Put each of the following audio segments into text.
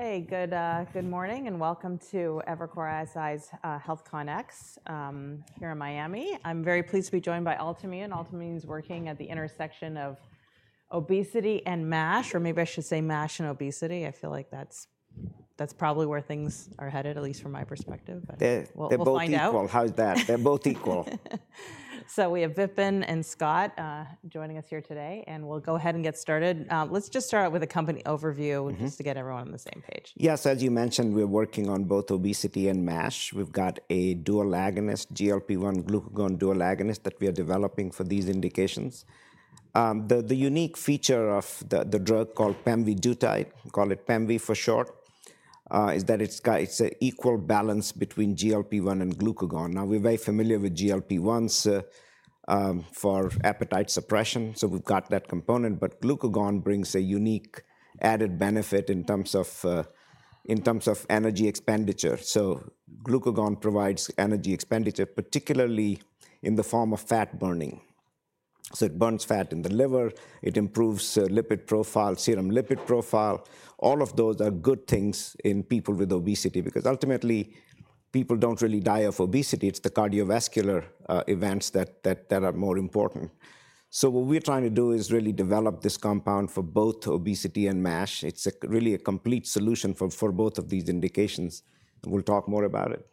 Hey, good morning and welcome to Evercore ISI's HealthCONx here in Miami. I'm very pleased to be joined by Altimmune. Altimmune is working at the intersection of obesity and MASH, or maybe I should say MASH and obesity. I feel like that's probably where things are headed, at least from my perspective. They're both equal. How's that? They're both equal. So we have Vipin and Scott joining us here today, and we'll go ahead and get started. Let's just start out with a company overview just to get everyone on the same page. Yes, as you mentioned, we're working on both obesity and MASH. We've got a dual agonist, GLP-1 glucagon dual agonist that we are developing for these indications. The unique feature of the drug called pemvidutide, call it pemvi for short, is that it's an equal balance between GLP-1 and glucagon. Now, we're very familiar with GLP-1s for appetite suppression, so we've got that component, but glucagon brings a unique added benefit in terms of energy expenditure. So glucagon provides energy expenditure, particularly in the form of fat burning. So it burns fat in the liver, it improves lipid profile, serum lipid profile. All of those are good things in people with obesity because ultimately people don't really die of obesity. It's the cardiovascular events that are more important. So what we're trying to do is really develop this compound for both obesity and MASH. It's really a complete solution for both of these indications. We'll talk more about it.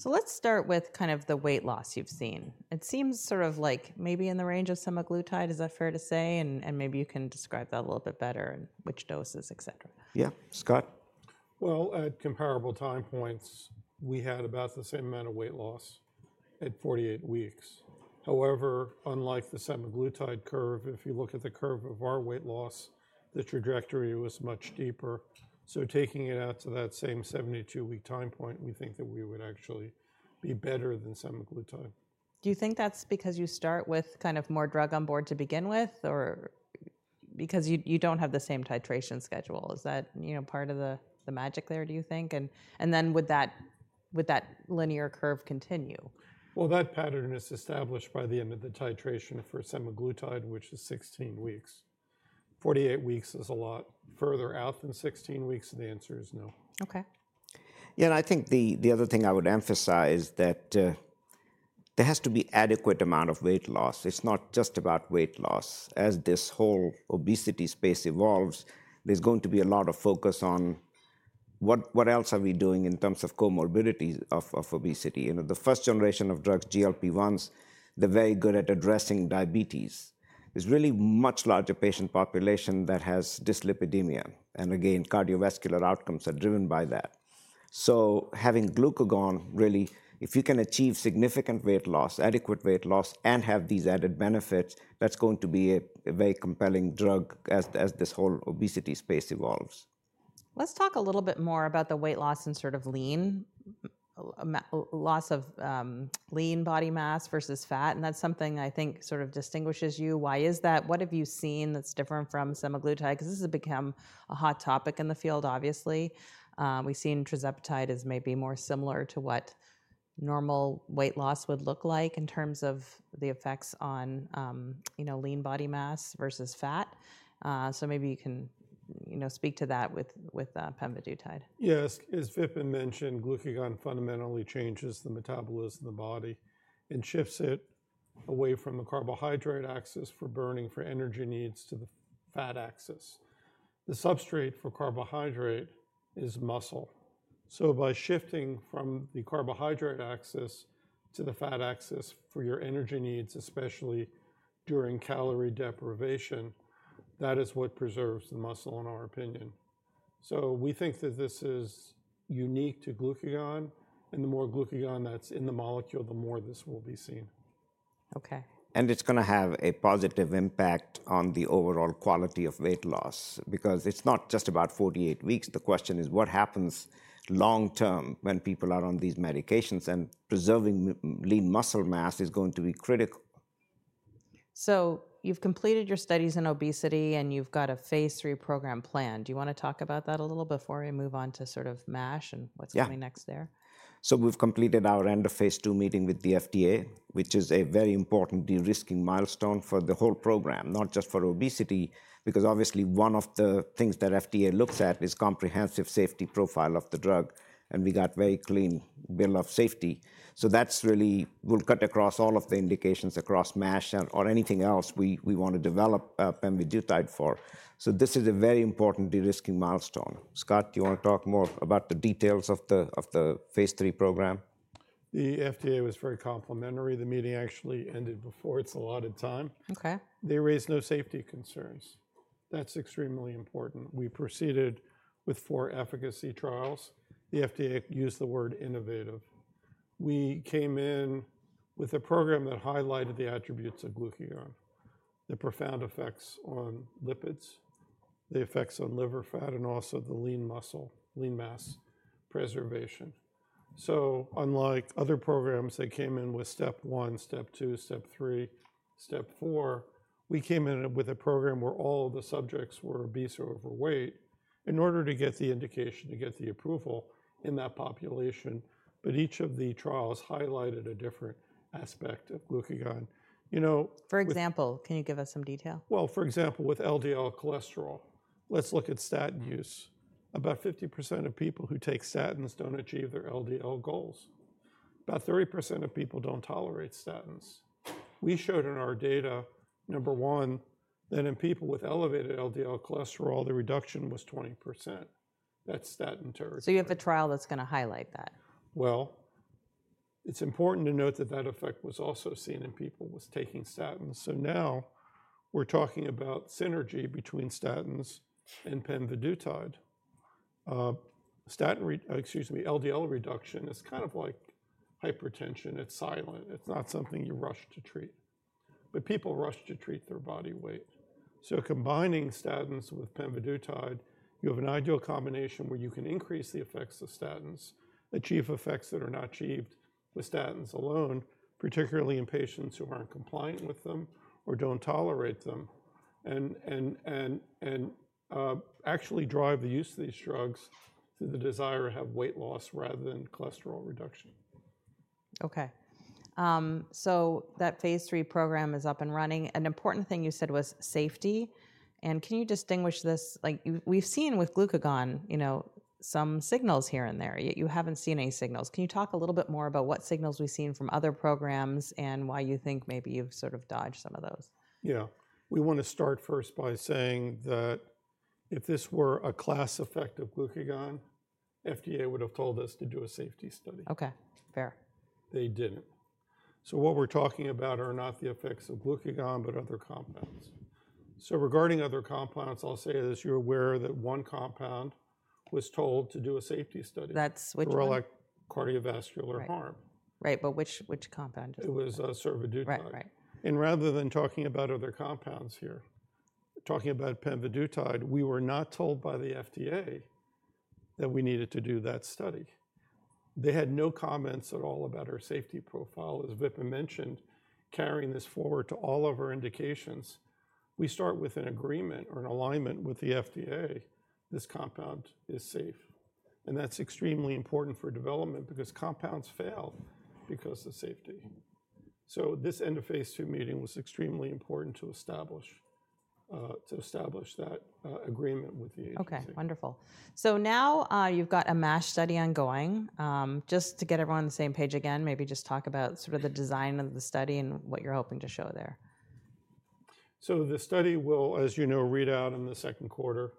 So let's start with kind of the weight loss you've seen. It seems sort of like maybe in the range of semaglutide, is that fair to say? And maybe you can describe that a little bit better and which doses, et cetera. Yeah, Scott. At comparable time points, we had about the same amount of weight loss at 48 weeks. However, unlike the semaglutide curve, if you look at the curve of our weight loss, the trajectory was much deeper. Taking it out to that same 72-week time point, we think that we would actually be better than semaglutide. Do you think that's because you start with kind of more drug on board to begin with or because you don't have the same titration schedule? Is that part of the magic there, do you think? And then would that linear curve continue? That pattern is established by the end of the titration for semaglutide, which is 16 weeks. 48 weeks is a lot further out than 16 weeks. The answer is no. Okay. Yeah, and I think the other thing I would emphasize is that there has to be an adequate amount of weight loss. It's not just about weight loss. As this whole obesity space evolves, there's going to be a lot of focus on what else are we doing in terms of comorbidities of obesity. The first generation of drugs, GLP-1s, they're very good at addressing diabetes. There's really a much larger patient population that has dyslipidemia. And again, cardiovascular outcomes are driven by that. So having glucagon, really, if you can achieve significant weight loss, adequate weight loss, and have these added benefits, that's going to be a very compelling drug as this whole obesity space evolves. Let's talk a little bit more about the weight loss and sort of lean loss of lean body mass versus fat. And that's something I think sort of distinguishes you. Why is that? What have you seen that's different from semaglutide? Because this has become a hot topic in the field, obviously. We've seen tirzepatide as maybe more similar to what normal weight loss would look like in terms of the effects on lean body mass versus fat. So maybe you can speak to that with pemvidutide. Yes, as Vipin mentioned, glucagon fundamentally changes the metabolism of the body and shifts it away from the carbohydrate axis for burning for energy needs to the fat axis. The substrate for carbohydrate is muscle, so by shifting from the carbohydrate axis to the fat axis for your energy needs, especially during calorie deprivation, that is what preserves the muscle in our opinion, so we think that this is unique to glucagon, and the more glucagon that's in the molecule, the more this will be seen. Okay. It's going to have a positive impact on the overall quality of weight loss because it's not just about 48 weeks. The question is, what happens long-term when people are on these medications? Preserving lean muscle mass is going to be critical. So you've completed your studies in obesity and you've got a phase three program planned. Do you want to talk about that a little before we move on to sort of MASH and what's coming next there? We've completed our end-of-phase 2 meeting with the FDA, which is a very important de-risking milestone for the whole program, not just for obesity, because obviously one of the things that FDA looks at is comprehensive safety profile of the drug. And we got a very clean bill of safety. So that's really will cut across all of the indications across MASH or anything else we want to develop pemvidutide for. So this is a very important de-risking milestone. Scott, do you want to talk more about the details of the phase 3 program? The FDA was very complimentary. The meeting actually ended before its allotted time. They raised no safety concerns. That's extremely important. We proceeded with four efficacy trials. The FDA used the word innovative. We came in with a program that highlighted the attributes of glucagon, the profound effects on lipids, the effects on liver fat, and also the lean muscle, lean mass preservation. So unlike other programs, they came in with step one, step two, step three, step four. We came in with a program where all of the subjects were obese or overweight in order to get the indication to get the approval in that population. But each of the trials highlighted a different aspect of glucagon. For example, can you give us some detail? For example, with LDL cholesterol, let's look at statin use. About 50% of people who take statins don't achieve their LDL goals. About 30% of people don't tolerate statins. We showed in our data, number one, that in people with elevated LDL cholesterol, the reduction was 20%. That's statin territory. So you have a trial that's going to highlight that. It's important to note that that effect was also seen in people who were taking statins. So now we're talking about synergy between statins and pemvidutide. Statin, excuse me, LDL reduction is kind of like hypertension. It's silent. It's not something you rush to treat. But people rush to treat their body weight. So combining statins with pemvidutide, you have an ideal combination where you can increase the effects of statins, achieve effects that are not achieved with statins alone, particularly in patients who aren't compliant with them or don't tolerate them, and actually drive the use of these drugs to the desire to have weight loss rather than cholesterol reduction. Okay. So that phase 3 program is up and running. An important thing you said was safety. And can you distinguish this? We've seen with glucagon some signals here and there. You haven't seen any signals. Can you talk a little bit more about what signals we've seen from other programs and why you think maybe you've sort of dodged some of those? Yeah. We want to start first by saying that if this were a class effect of glucagon, FDA would have told us to do a safety study. Okay, fair. They didn't. So what we're talking about are not the effects of glucagon, but other compounds. So regarding other compounds, I'll say this. You're aware that one compound was told to do a safety study. That's which one? For cardiovascular harm. Right, but which compound? It was survodutide. Right, right. Rather than talking about other compounds here, talking about pemvidutide, we were not told by the FDA that we needed to do that study. They had no comments at all about our safety profile. As Vipin mentioned, carrying this forward to all of our indications, we start with an agreement or an alignment with the FDA. This compound is safe. And that's extremely important for development because compounds fail because of safety. This end of phase two meeting was extremely important to establish that agreement with the agency. Okay, wonderful. So now you've got a MASH study ongoing. Just to get everyone on the same page again, maybe just talk about sort of the design of the study and what you're hoping to show there. So the study will, as you know, read out in the second quarter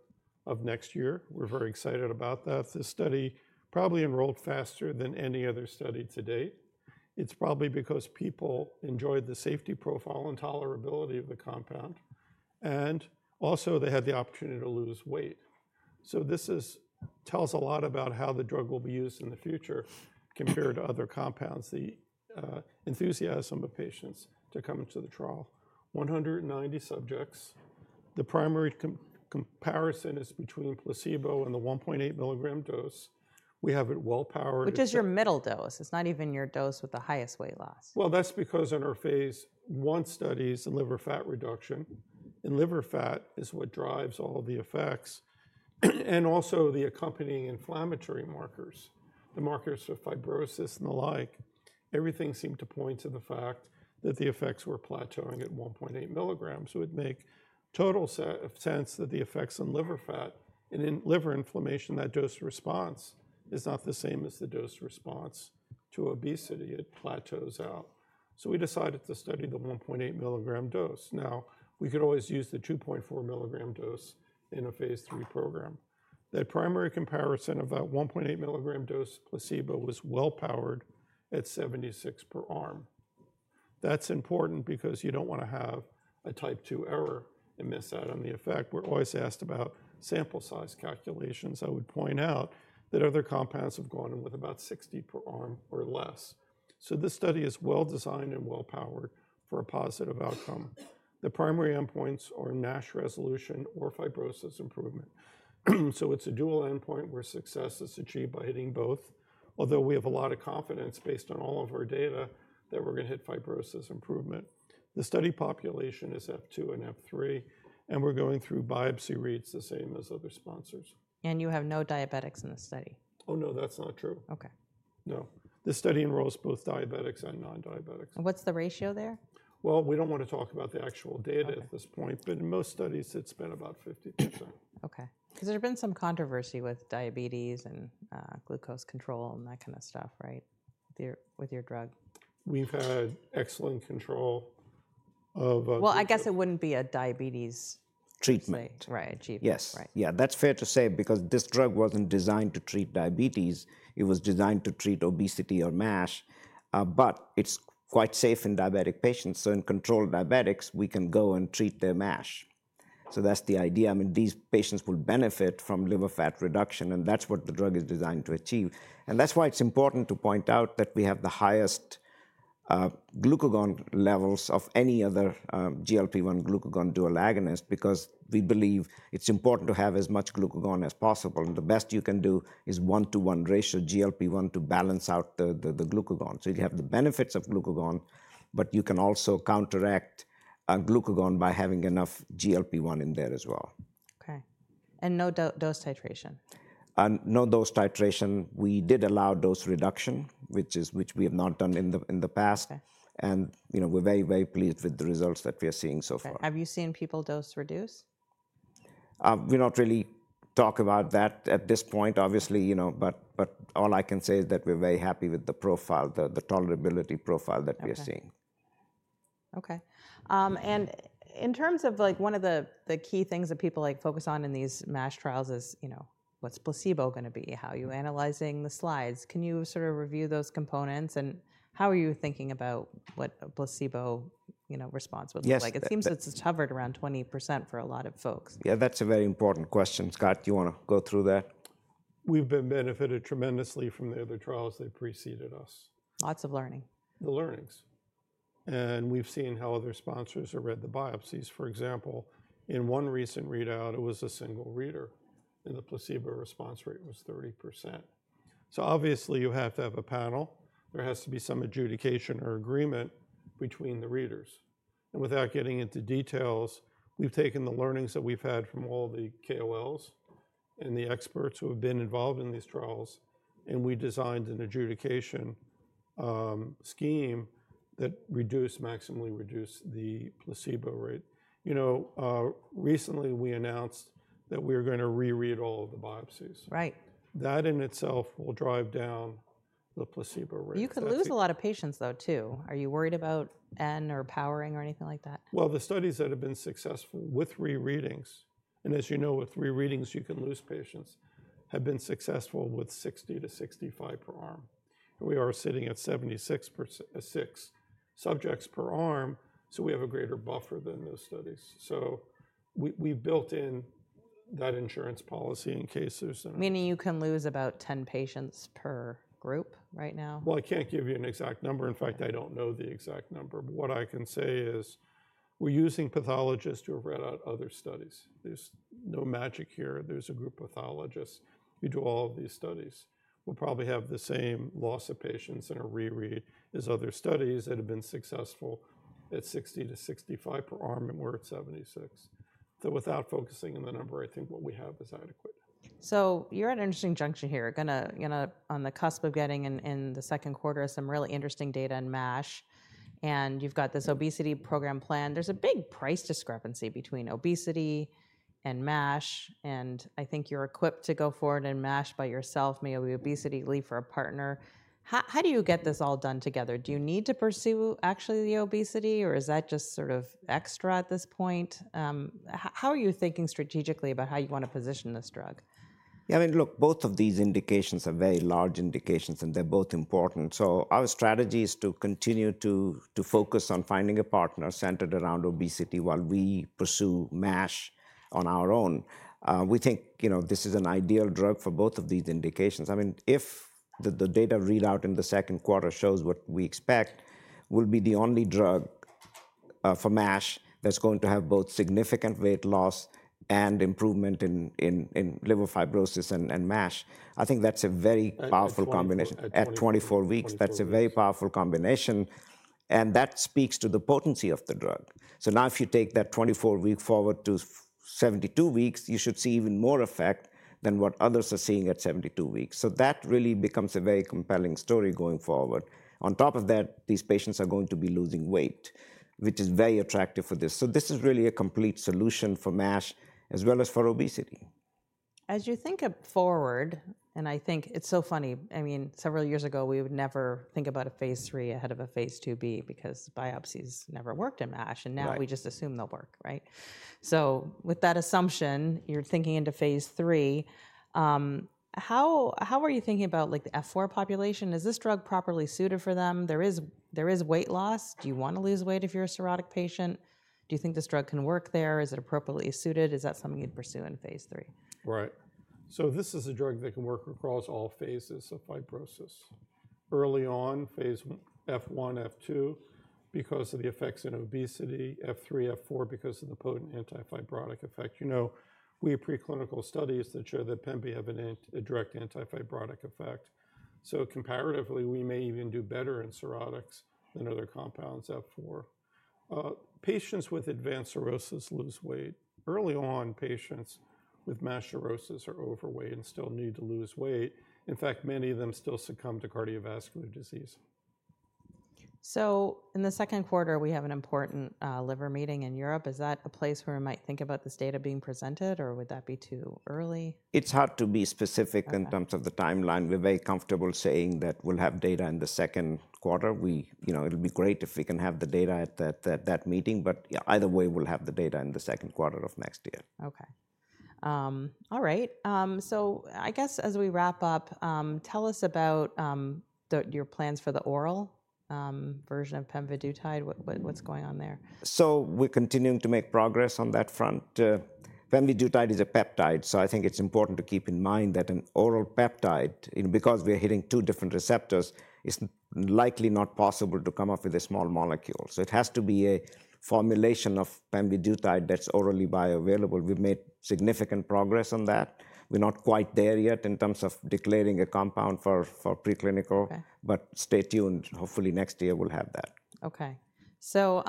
of next year. We're very excited about that. This study probably enrolled faster than any other study to date. It's probably because people enjoyed the safety profile and tolerability of the compound. And also, they had the opportunity to lose weight. So this tells a lot about how the drug will be used in the future compared to other compounds, the enthusiasm of patients to come to the trial. 190 subjects. The primary comparison is between placebo and the 1.8 milligram dose. We have it well powered. Which is your middle dose? It's not even your dose with the highest weight loss. That's because in our phase 1 studies and liver fat reduction, and liver fat is what drives all the effects and also the accompanying inflammatory markers, the markers for fibrosis and the like. Everything seemed to point to the fact that the effects were plateauing at 1.8 milligrams. So it would make total sense that the effects on liver fat and in liver inflammation, that dose response is not the same as the dose response to obesity. It plateaus out. So we decided to study the 1.8 milligram dose. Now, we could always use the 2.4 milligram dose in a phase 3 program. That primary comparison of that 1.8 milligram dose placebo was well powered at 76 per arm. That's important because you don't want to have a type two error and miss out on the effect. We're always asked about sample size calculations. I would point out that other compounds have gone in with about 60 per arm or less. So this study is well designed and well powered for a positive outcome. The primary endpoints are NASH resolution or fibrosis improvement. So it's a dual endpoint where success is achieved by hitting both, although we have a lot of confidence based on all of our data that we're going to hit fibrosis improvement. The study population is F2 and F3, and we're going through biopsy reads the same as other sponsors. You have no diabetics in the study. Oh no, that's not true. Okay. No. This study enrolls both diabetics and non-diabetics. And what's the ratio there? We don't want to talk about the actual data at this point, but in most studies, it's been about 50%. Okay. Because there's been some controversy with diabetes and glucose control and that kind of stuff, right, with your drug. We've had excellent control of. I guess it wouldn't be a diabetes treatment. Treatment, right. Right. Yes. Yeah, that's fair to say because this drug wasn't designed to treat diabetes. It was designed to treat obesity or MASH, but it's quite safe in diabetic patients. So in controlled diabetics, we can go and treat their MASH. So that's the idea. I mean, these patients will benefit from liver fat reduction, and that's what the drug is designed to achieve. And that's why it's important to point out that we have the highest glucagon levels of any other GLP-1 glucagon dual agonist because we believe it's important to have as much glucagon as possible. And the best you can do is one-to-one ratio GLP-1 to balance out the glucagon. So you have the benefits of glucagon, but you can also counteract glucagon by having enough GLP-1 in there as well. Okay. And no dose titration? No dose titration. We did allow dose reduction, which we have not done in the past. And we're very, very pleased with the results that we are seeing so far. Have you seen people dose reduce? We're not really talking about that at this point, obviously. But all I can say is that we're very happy with the profile, the tolerability profile that we are seeing. Okay. In terms of one of the key things that people focus on in these MASH trials, what's placebo going to be? How are you analyzing the slides? Can you sort of review those components and how are you thinking about what a placebo response would look like? It seems that it's hovered around 20% for a lot of folks. Yeah, that's a very important question. Scott, do you want to go through that? We've been benefited tremendously from the other trials that preceded us. Lots of learning. The learnings. And we've seen how other sponsors have read the biopsies. For example, in one recent readout, it was a single reader. And the placebo response rate was 30%. So obviously, you have to have a panel. There has to be some adjudication or agreement between the readers. And without getting into details, we've taken the learnings that we've had from all the KOLs and the experts who have been involved in these trials, and we designed an adjudication scheme that maximally reduced the placebo rate. Recently, we announced that we are going to reread all of the biopsies. Right. That in itself will drive down the placebo rate. You could lose a lot of patients though too. Are you worried about N or powering or anything like that? The studies that have been successful with rereadings, and as you know, with rereadings, you can lose patients, have been successful with 60-65 per arm. And we are sitting at 76 subjects per arm, so we have a greater buffer than those studies. So we've built in that insurance policy in cases. Meaning you can lose about 10 patients per group right now? I can't give you an exact number. In fact, I don't know the exact number. But what I can say is we're using pathologists who have read out other studies. There's no magic here. There's a group of pathologists. We do all of these studies. We'll probably have the same loss of patients in a reread as other studies that have been successful at 60-65 per arm and we're at 76. So without focusing on the number, I think what we have is adequate. So you're at an interesting juncture here. You're on the cusp of getting in the second quarter some really interesting data in MASH. And you've got this obesity program planned. There's a big price discrepancy between obesity and MASH. And I think you're equipped to go forward in MASH by yourself, maybe obesity leave for a partner. How do you get this all done together? Do you need to pursue actually the obesity, or is that just sort of extra at this point? How are you thinking strategically about how you want to position this drug? Yeah, I mean, look, both of these indications are very large indications, and they're both important. So our strategy is to continue to focus on finding a partner centered around obesity while we pursue MASH on our own. We think this is an ideal drug for both of these indications. I mean, if the data readout in the second quarter shows what we expect, we'll be the only drug for MASH that's going to have both significant weight loss and improvement in liver fibrosis and MASH. I think that's a very powerful combination. At 24 weeks, that's a very powerful combination. And that speaks to the potency of the drug. So now if you take that 24 week forward to 72 weeks, you should see even more effect than what others are seeing at 72 weeks. So that really becomes a very compelling story going forward. On top of that, these patients are going to be losing weight, which is very attractive for this. So this is really a complete solution for MASH as well as for obesity. As you think forward, and I think it's so funny, I mean, several years ago, we would never think about a phase 3 ahead of a phase 2B because biopsies never worked in MASH, and now we just assume they'll work, right, so with that assumption, you're thinking into phase 3. How are you thinking about the F4 population? Is this drug properly suited for them? There is weight loss. Do you want to lose weight if you're a cirrhotic patient? Do you think this drug can work there? Is it appropriately suited? Is that something you'd pursue in phase 3? Right, so this is a drug that can work across all phases of fibrosis. Early on, phase F1, F2 because of the effects in obesity, F3, F4 because of the potent antifibrotic effect. You know, we have preclinical studies that show that pemvidutide have a direct antifibrotic effect. So comparatively, we may even do better in cirrhotics than other compounds, F4. Patients with advanced cirrhosis lose weight. Early on, patients with MASH cirrhosis are overweight and still need to lose weight. In fact, many of them still succumb to cardiovascular disease. So in the second quarter, we have an important liver meeting in Europe. Is that a place where we might think about this data being presented, or would that be too early? It's hard to be specific in terms of the timeline. We're very comfortable saying that we'll have data in the second quarter. It'll be great if we can have the data at that meeting. But either way, we'll have the data in the second quarter of next year. Okay. All right. So I guess as we wrap up, tell us about your plans for the oral version of pemvidutide. What's going on there? We're continuing to make progress on that front. Pemvidutide is a peptide. I think it's important to keep in mind that an oral peptide, because we are hitting two different receptors, it's likely not possible to come up with a small molecule. It has to be a formulation of pemvidutide that's orally bioavailable. We've made significant progress on that. We're not quite there yet in terms of declaring a compound for preclinical, but stay tuned. Hopefully, next year we'll have that. Okay. So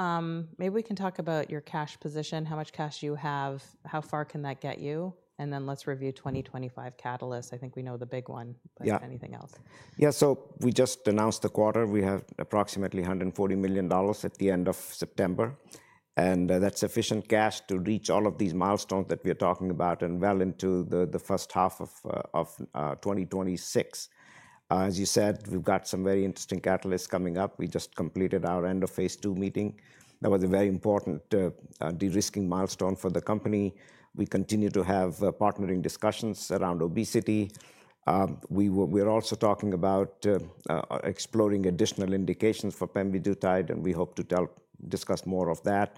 maybe we can talk about your cash position, how much cash you have, how far can that get you? And then let's review 2025 catalysts. I think we know the big one. Anything else? Yeah. So we just announced the quarter. We have approximately $140 million at the end of September. And that's sufficient cash to reach all of these milestones that we are talking about and well into the first half of 2026. As you said, we've got some very interesting catalysts coming up. We just completed our end of phase two meeting. That was a very important de-risking milestone for the company. We continue to have partnering discussions around obesity. We're also talking about exploring additional indications for pemvidutide, and we hope to discuss more of that.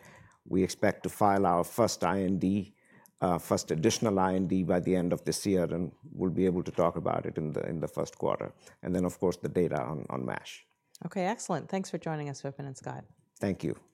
We expect to file our first additional IND by the end of this year, and we'll be able to talk about it in the first quarter. And then, of course, the data on MASH. Okay, excellent. Thanks for joining us, Vipin and Scott. Thank you.